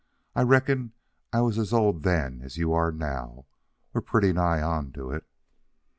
I reckon I was as old then as you are now, or pretty nigh on to it."